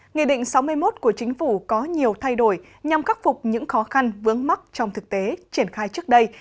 nghị định sáu mươi một của chính phủ có nhiều thay đổi nhằm khắc phục những khó khăn vướng mắt trong thực tế triển khai trước đây